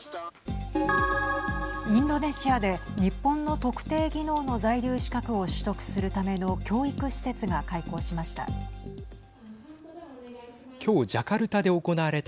インドネシアで日本の特定技能の在留資格を取得するための教育施設が開校しました。